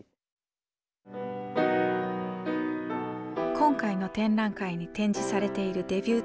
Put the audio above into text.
今回の展覧会に展示されているデビュー